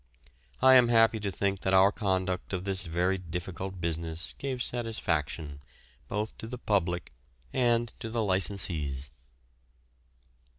I am happy to think that our conduct of this very difficult business gave satisfaction, both to the public and to the licensees.